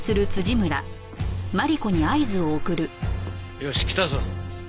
よし来たぞ。